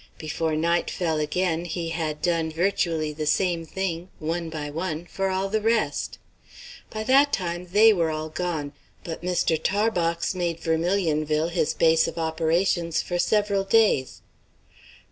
Before night fell again he had done virtually the same thing, one by one, for all the rest. By that time they were all gone; but Mr. Tarbox made Vermilionville his base of operations for several days.